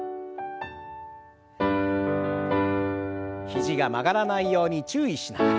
肘が曲がらないように注意しながら。